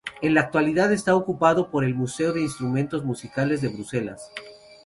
En la actualidad está ocupado por el museo de instrumentos musicales de Bruselas.